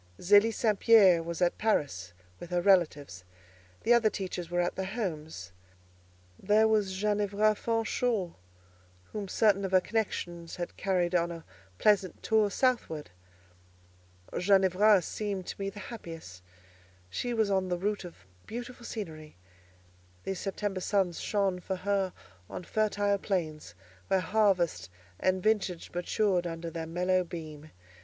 Zélie St. Pierre was at Paris, with her relatives; the other teachers were at their homes. There was Ginevra Fanshawe, whom certain of her connections had carried on a pleasant tour southward. Ginevra seemed to me the happiest. She was on the route of beautiful scenery; these September suns shone for her on fertile plains, where harvest and vintage matured under their mellow beam.